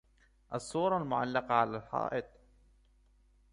الصورة معلقة على الحائط.